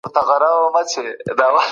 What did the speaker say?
مرستيال ښوونکی څنګه د درس وسایل برابر ساتي؟